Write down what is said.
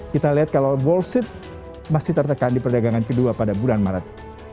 kita lihat kalau wall seat masih tertekan di perdagangan kedua pada bulan maret